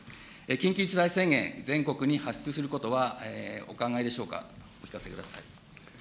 緊急事態宣言、全国に発出することはお考えでしょうか、お聞かせください。